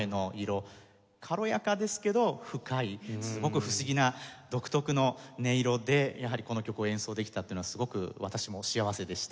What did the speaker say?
軽やかですけど深いすごく不思議な独特の音色でやはりこの曲を演奏できたっていうのはすごく私も幸せでした。